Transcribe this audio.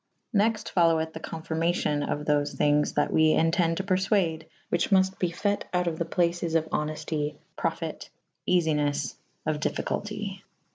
Nexte foloweth the co«firmacion of tho thygnes that we e«tende to perfuade / whiche muft be fet out of the places of honifty / profyte / eafynifj / of ' difficulty.